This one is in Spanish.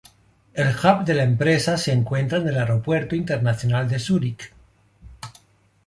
El hub de la empresa se encuentra en el Aeropuerto Internacional de Zúrich.